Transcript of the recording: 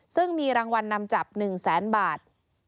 ซึ่งมีรางวัลนำจับ๑แสนบาท